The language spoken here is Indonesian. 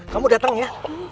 kamu datang ya